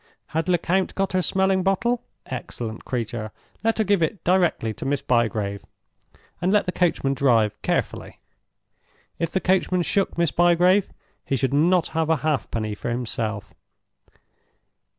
Had Lecount got her smelling bottle? Excellent creature! let her give it directly to Miss Bygrave, and let the coachman drive carefully. If the coachman shook Miss Bygrave he should not have a half penny for himself.